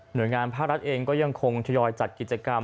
โดยงานภาครัฐเองก็ยังคงทยอยจัดกิจกรรม